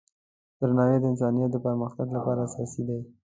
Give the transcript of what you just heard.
درناوی د انسانیت د پرمختګ لپاره اساسي دی.